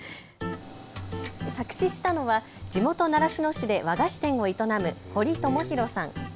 作詞したのは地元、習志野市で和菓子店を営む堀智弘さん。